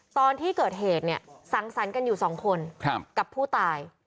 ตอนที่เกิดเหตุเนี่ยสังสรรค์กันอยู่สองคนกับผู้ตาย